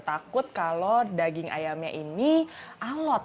takut kalau daging ayamnya ini alot